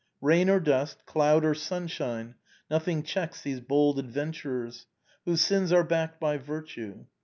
Rain or dust, cloud or sunshine, nothing checks these bold adventurers, whose sins are backed by a virtue.